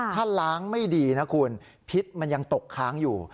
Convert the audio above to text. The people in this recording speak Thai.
ถ้าล้างไม่ดีนะคุณพิษมันยังตกค้างอยู่